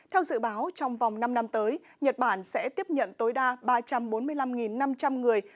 theo dự báo trong vòng năm năm tới nhật bản sẽ tiếp nhận tối đa ba trăm bốn mươi năm năm trăm linh người